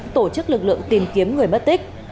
tổ chức lực lượng tìm kiếm người mất tích